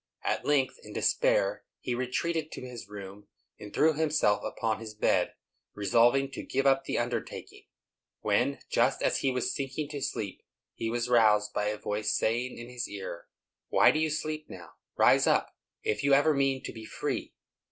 At length, in despair, he retreated to his room, and threw himself upon his bed, resolving to give up the undertaking, when, just as he was sinking to sleep, he was roused by a voice saying in his ear, "Why do you sleep now? Rise up, if you ever mean to be free!"